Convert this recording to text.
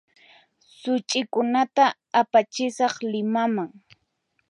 Suchikunata apachisaq Limaman